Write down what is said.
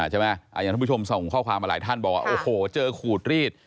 อย่างท่านผู้ชมส่งข้อความมาหลายท่านด้วยเจอขูดรีด